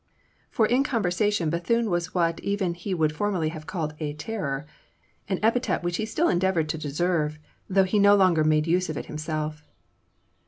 For in conversation Bethune was what even he would formerly have called "a terror," an epithet which he still endeavoured to deserve, though he no longer made use of it himself.